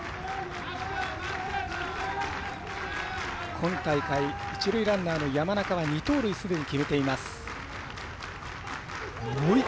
今大会、一塁ランナーの山中は２盗塁、すでに決めています。